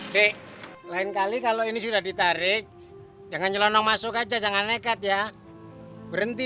dek lain kali kalau ini sudah ditarik jangan nyelonong masuk aja jangan nekat ya berhenti